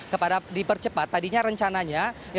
kepada dipercepat tadinya rencananya